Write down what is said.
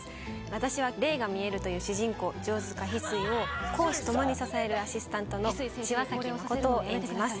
私は霊が見えるという主人公、城塚翡翠を公私ともに支えるアシスタントのしばさきまことを演じます。